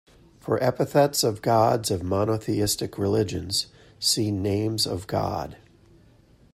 For epithets of gods of monotheistic religions, see Names of God.